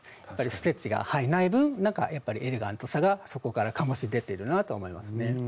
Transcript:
やっぱりステッチがない分なんかやっぱりエレガントさがそこから醸し出てるなと思いますね。